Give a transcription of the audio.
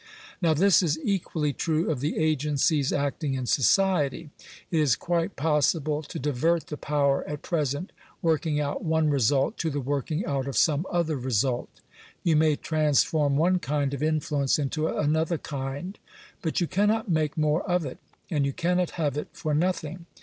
Now this is equally true of the agencies acting in society. It is quite possible to divert the power at present working out one result, to the working out of some other result. You may transform one kind of in fluence into another kind. But you cannot make more of it, and you cannot have it for nothing.